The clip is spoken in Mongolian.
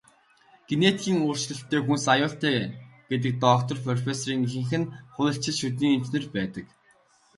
Генетикийн өөрчлөлттэй хүнс аюултай гэдэг доктор, профессорын ихэнх нь хуульчид, шүдний эмч нар байдаг.